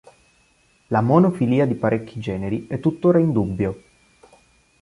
La monofilia di parecchi generi è tuttora in dubbio.